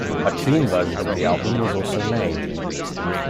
A clean version of the album was also made.